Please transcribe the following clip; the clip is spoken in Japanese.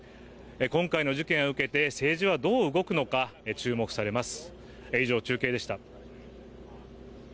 今回の事件を受けて、政治はどう動くのか注目されます。